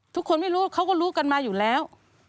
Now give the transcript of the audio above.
ทุกคนไม่รู้เขาก็รู้กันมาอยู่แล้ว